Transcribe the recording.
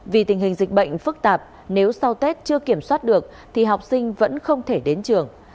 vì tình hình dịch bệnh phức tạp nếu sau tết chưa kiểm soát được thì học sinh vẫn không thể đến trường